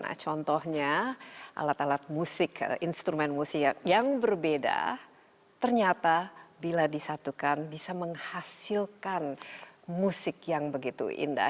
nah contohnya alat alat musik instrumen musik yang berbeda ternyata bila disatukan bisa menghasilkan musik yang begitu indah